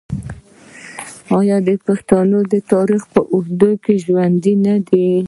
آیا پښتون د تاریخ په اوږدو کې ژوندی نه دی؟